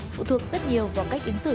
phụ thuộc rất nhiều vào cách ứng xử